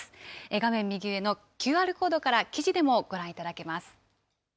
画面右上のＱＲコードから記事でもご覧いただけます。